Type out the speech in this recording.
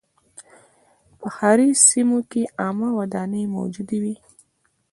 په ښاري سیمو کې عامه ودانۍ موجودې وې.